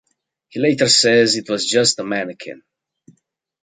He later says it was just a mannequin.